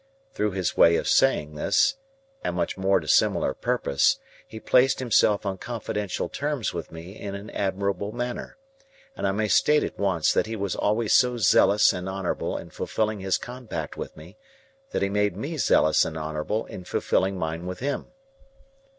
Through his way of saying this, and much more to similar purpose, he placed himself on confidential terms with me in an admirable manner; and I may state at once that he was always so zealous and honourable in fulfilling his compact with me, that he made me zealous and honourable in fulfilling mine with him.